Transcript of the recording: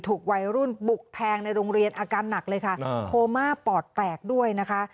ถูกวัยรุ่นบุกแทงในโรงเรียนอาการหนักเลยค่ะโคม่าปอดแตกด้วยนะคะ